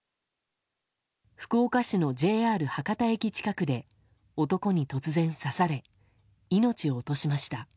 福岡市のＪＲ博多駅近くで男に突然刺され命を落としました。